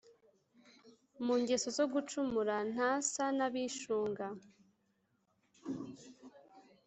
mu ngeso zo gucumura. ntasa n’abishunga